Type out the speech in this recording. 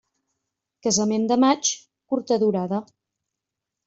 Casament de maig, curta durada.